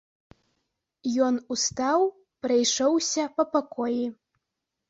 Ён устаў, прайшоўся па пакоі.